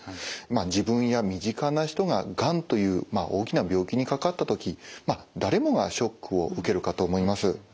自分や身近な人ががんという大きな病気にかかった時誰もがショックを受けるかと思います。